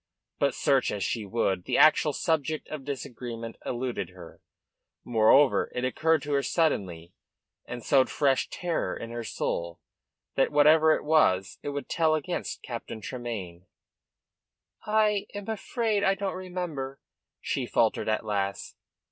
But, search as she would, the actual subject of disagreement eluded her. Moreover, it occurred to her suddenly, and sowed fresh terror in her soul, that, whatever it was, it would tell against Captain Tremayne. "I I am afraid I don't remember," she faltered at last.